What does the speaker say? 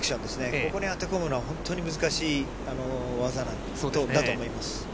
ここに当て込むの本当に難しい技なんだと思います。